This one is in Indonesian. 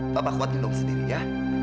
bapak kuat minum sendiri ya